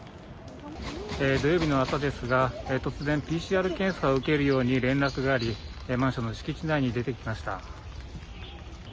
土曜日の朝ですが、突然、ＰＣＲ検査を受けるように連絡があり、マンションの敷地内に出てきました。